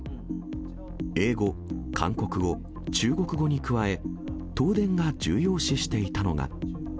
英語、韓国語、中国語に加え、東電が重要視していたのが。